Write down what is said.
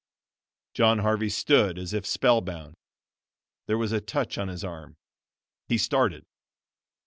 John Harvey stood as if spell bound. There was a touch on his arm; he started.